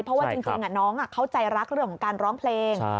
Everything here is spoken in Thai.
เพราะว่าจริงน้องเข้าใจรักเรื่องของการร้องเพลง